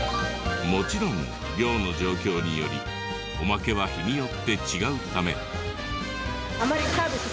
もちろん漁の状況によりおまけは日によって違うため。